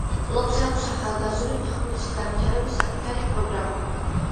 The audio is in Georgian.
კლუბს აქვს ახალგაზრდული ფეხბურთის განვითარების საკუთარი პროგრამა.